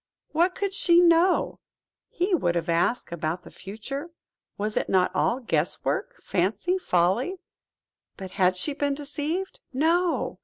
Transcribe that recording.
What could she know, he would have asked, about the future? Was it not all guess work, fancy, folly? But had she been deceived! No!